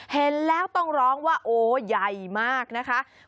เห็นแล้วต้องร้องว่าโอ้ใหญ่มากนะคะ